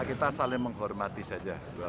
kita saling menghormati saja